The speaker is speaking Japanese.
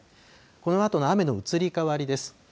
このあとの雨の移り変わりです。